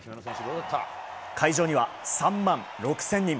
会場には３万６０００人。